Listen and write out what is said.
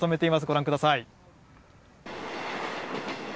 ご覧ください。